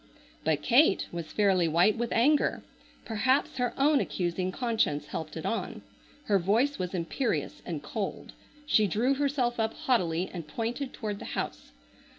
But Kate was fairly white with anger. Perhaps her own accusing conscience helped it on. Her voice was imperious and cold. She drew herself up haughtily and pointed toward the house.